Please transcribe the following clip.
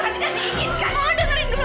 ma jangan bergantung